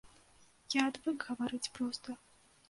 Я адвык гаварыць проста.